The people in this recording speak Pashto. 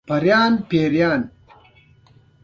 ایا ستاسو خوب به ریښتیا وي؟